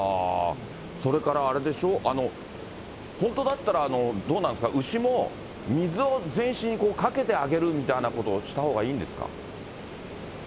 それからあれでしょう、本当だったらどうなんですか、牛も水を全身にかけてあげるみたいなこと、したほうがいいんですか。